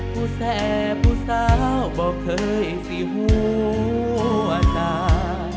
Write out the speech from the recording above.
ผู้แสผู้สาวบอกเคยสิหัวใจ